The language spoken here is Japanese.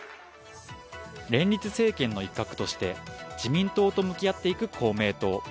連立政権の一角として自民党と向き合っていく公明党。